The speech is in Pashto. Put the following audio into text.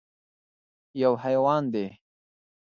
_يو حيوان دی.